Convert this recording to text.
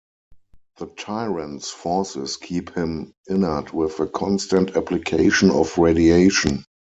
The tyrant's forces keep him inert with a constant application of radiation.